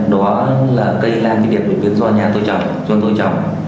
đó là cây lan đột biến do nhà tôi trồng